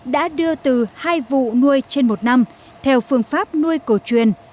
đã đưa từ hai vụ nuôi trên một năm theo phương pháp nuôi cổ truyền